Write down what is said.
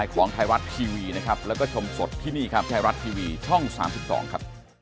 ขอบคุณครับ